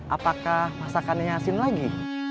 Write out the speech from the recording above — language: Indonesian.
apakah masakannya asin lagi